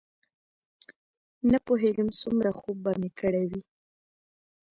نه پوهېږم څومره خوب به مې کړی وي.